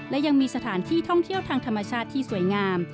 และยังมีสถานที่ท่องเที่ยวทางธรรมชาติที่สวยงาม